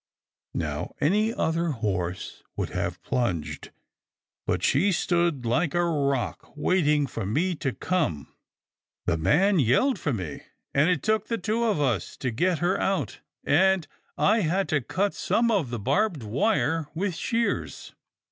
Now any other horse would have plunged, but she stood like a rock, waiting for me to come. The man yelled for me, and it took the two of us to get her out, and I had to cut some of the barbed wire with shears."